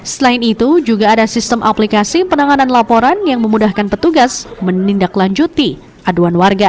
selain itu juga ada sistem aplikasi penanganan laporan yang memudahkan petugas menindaklanjuti aduan warga